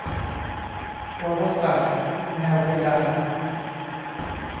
วรศาสส์ แนวพญา